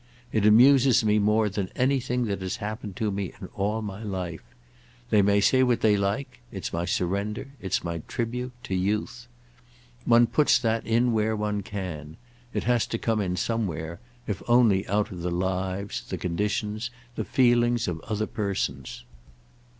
It amuses me more than anything that has happened to me in all my life. They may say what they like—it's my surrender, it's my tribute, to youth. One puts that in where one can—it has to come in somewhere, if only out of the lives, the conditions, the feelings of other persons.